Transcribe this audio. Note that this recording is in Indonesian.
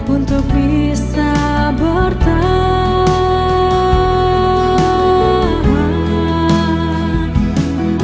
untuk bisa bertahan